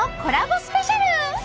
スペシャル！